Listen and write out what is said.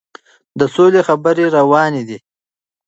د سولې خبرې روانې وې.